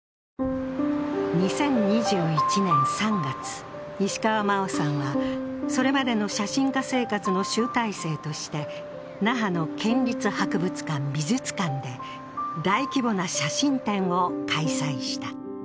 ２０２１年３月、石川真生さんはそれまでの写真家生活の集大成として、那覇の県立博物館・美術館で大規模な写真展を開催した。